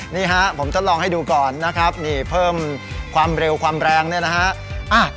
นี่ฮะผมทดลองให้ดูก่อนนะครับนี่เพิ่มความเร็วความแรงเนี่ยนะฮะ